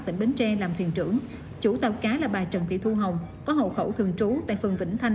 tỉnh bến tre làm thuyền trưởng chủ tàu cá là bà trần thị thu hồng có hậu khẩu thường trú tại phường vĩnh thanh